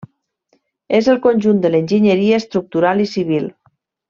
És el conjunt de l'enginyeria estructural i civil.